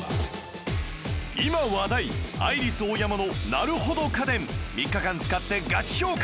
今話題アイリスオーヤマのなるほど家電３日間使ってガチ評価